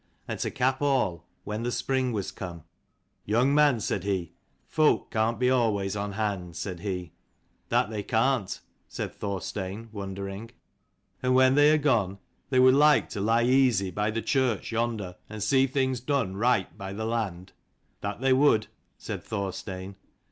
And to cap all, when the spring was come, " Young man," said he, "folk can't be always on hand," said he. "That they can't," said Thorstein wondering. " And when they are gone they would like to 243 lie easy, by the church yonder, and see things done right by the land?" " That they would," said Thorstein.